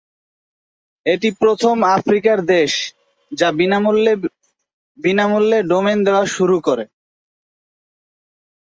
এটি প্রথম আফ্রিকার দেশ যা বিনামূল্যে বিনামূল্যে ডোমেন দেওয়া শুরু করে।